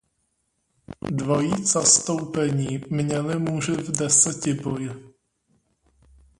Dvojí zastoupení měli muži v desetiboji.